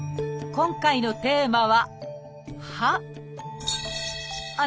今回のテーマは「歯」。